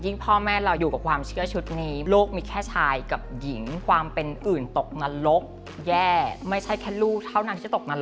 ยิ่งพ่อแม่เราอยู่กับความเชื่อชุดนี้